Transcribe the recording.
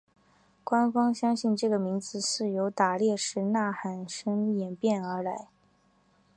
官方相信这个名字是由打猎时的呐喊声演变而来。